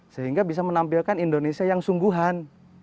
sehingga bisa menampilkan indonesia yang sungguhan